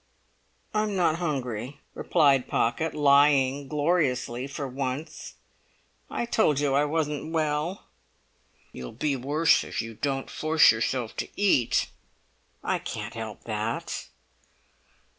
"I'm not hungry," replied Pocket, lying gloriously for once. "I told you I wasn't well." "You'll be worse if you don't force yourself to eat." "I can't help that."